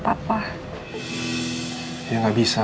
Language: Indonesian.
papa kan besok ulang tahun jadi gue mau ngucapin ke papa